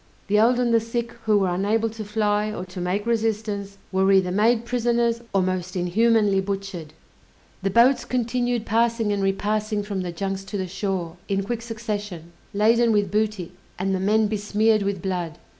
The old and the sick, who were unable to fly, or to make resistance, were either made prisoners or most inhumanly butchered! The boats continued passing and repassing from the junks to the shore, in quick succession, laden with booty, and the men besmeared with blood!